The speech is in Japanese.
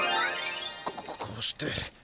こうして。